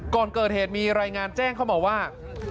ก่อนเกิดเหตุมีรายงานแจ้งเข้ามาว่า